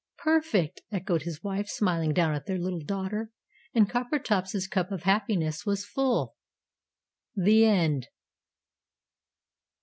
"Perfect!" echoed his wife, smiling down at their little daughter. And Coppertop's cup of happiness was full. THE END.